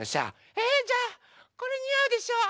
えじゃあこれにあうでしょ？